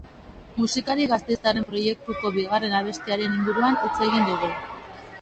Musikari gasteiztarraren proiektuko bigarren abestiaren inguruan hitz egin dugu.